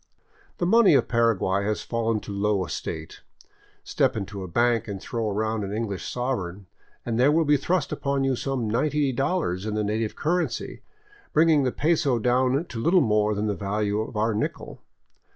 The money of Paraguay has fallen to low estate. Step into a bank and throw down an English sovereign, and there will be thrust upon you some $90 in native currency, bringing the peso down to little more than the value of our nickel.